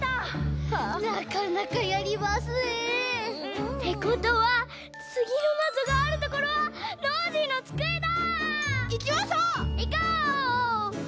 なかなかやりますね。ってことはつぎのなぞがあるところはノージーのつくえだ！いきましょう！いこう！